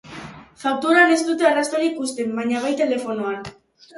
Fakturan ez dute arrastorik uzten, baina bai telefonoan.